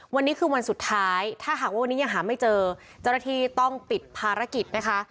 วันนี้คือวันสุดท้ายถ้าหากว่าวันนี้ยังหาไม่เจอเจ้าหน้าที่ต้องปิดภารกิจนะคะ